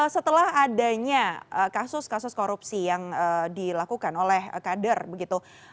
setelah adanya kasus kasus korupsi yang dilakukan oleh kader begitu